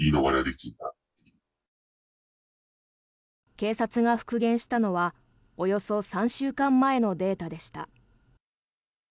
警察が復元したのはおよそ３週間前のデータでした。